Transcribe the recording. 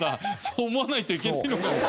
そう思わないといけないのかと。